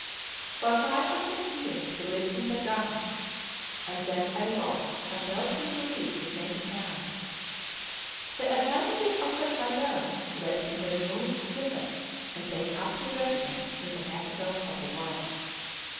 For five or six years he lived in Pergamus, and then a revolt compelled him to leave his native town. The advantages offered by Rome led him to remove thither and take up his residence in the capital of the world.